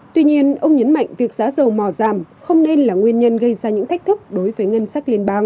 tuy nhiên ông nhấn mạnh việc giá dầu mò giảm không nên là nguyên nhân gây ra những thách thức đối với ngân sách liên bang